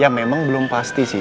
ya memang belum pasti sih